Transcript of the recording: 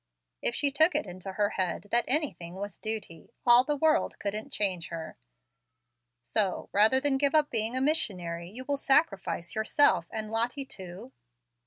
If she took it into her head that anything was 'duty,' all the world couldn't change her. So, rather than give up being a missionary, you will sacrifice yourself and Lottie too?"